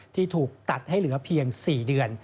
ที่ถูกตัดให้เหลือเพียง๔เดือน